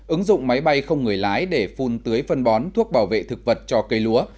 ứng dụng máy bay không người lái để phun tưới phân bón thuốc bảo vệ thực vật cho cây lúa